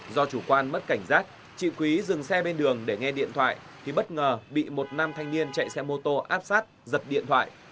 do chủ quan mất cảnh giác chị quý dừng xe bên đường để nghe điện thoại thì bất ngờ bị một nam thanh niên chạy xe mô tô áp sát giật điện thoại